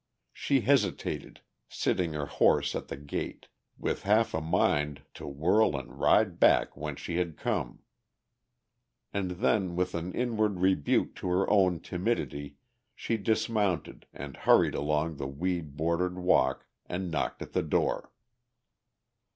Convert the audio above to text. She hesitated, sitting her horse at the gate, with half a mind to whirl and ride back whence she had come. And then, with an inward rebuke to her own timidity, she dismounted and hurried along the weed bordered walk, and knocked at the door.